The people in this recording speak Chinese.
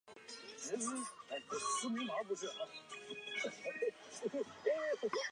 星毛糖芥为十字花科糖芥属下的一个种。